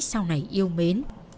sau này yêu mến